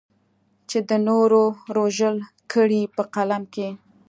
چې د نورو رژول کړې په قلم کې.